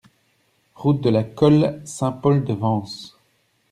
Route de la Colle, Saint-Paul-de-Vence